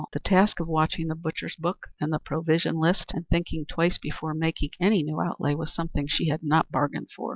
The task of watching the butcher's book and the provision list, and thinking twice before making any new outlay, was something she had not bargained for.